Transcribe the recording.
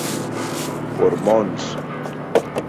Por Mons.